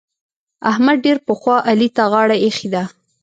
احمد ډېر پخوا علي ته غاړه اېښې ده.